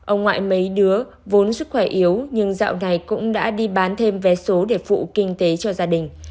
ông ngoại mấy đứa vốn sức khỏe yếu nhưng dạo này cũng đã đi bán thêm vé số để phụ kinh tế cho gia đình